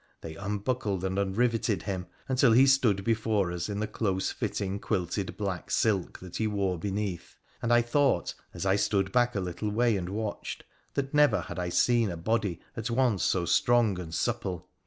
They unbuckled and unriveted him, until he stood before us in the close fitting quilted black silk that he wore beneath, and I thought, a3 I stood back a little way and watched, that never had I seen a body at once so strong and supple.